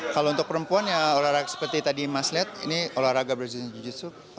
kalau untuk perempuan yang olahraga seperti tadi mas liet ini olahraga brazilian jiu jitsu